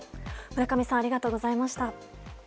村上さんありがとうございました。